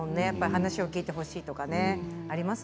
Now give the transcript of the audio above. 話を聞いてほしいとかね